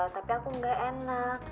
tapi aku gak enak